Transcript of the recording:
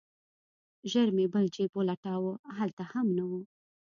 ژر مې بل جيب ولټاوه هلته هم نه و.